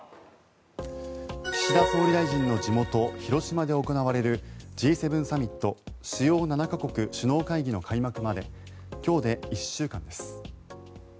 岸田総理大臣の地元広島で行われるＧ７サミット主要７か国主要会議の開幕まで今日で１週間です。